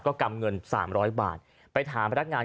ก็กำเงิน๓๐๐บาทไปถามพนักงาน